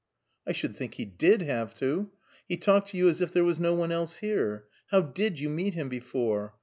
"I should think he did have to. He talked to you as if there was no one else here. How did you meet him before?